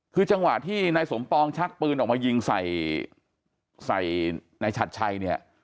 คือจังหวะที่นายสมปองชักปืนออกมายิงใส่ใส่นายชัดชัยเนี่ย